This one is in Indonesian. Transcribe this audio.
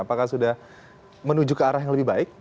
apakah sudah menuju ke arah yang lebih baik